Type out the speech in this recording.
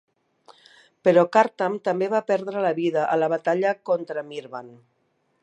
Però Kartam també va perdre la vida a la batalla contra Mirvan.